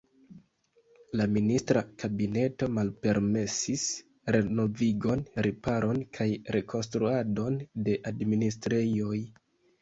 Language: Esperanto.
La ministra kabineto malpermesis renovigon, riparon kaj rekonstruadon de administrejoj.